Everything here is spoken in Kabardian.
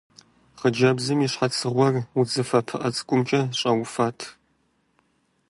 Хъыджэбзым и щхьэцыгъуэр удзыфэ пыӀэ цӀыкӀумкӀэ щӀэуфат.